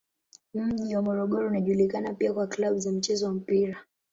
Mji wa Morogoro unajulikana pia kwa klabu za mchezo wa mpira.